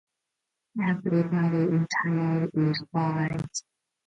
Everybody in town is white.